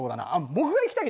僕が行きたい。